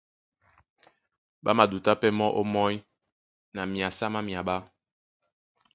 Ɓá madutá pɛ́ mɔ́ ómɔ́ny na myasa má myaɓá.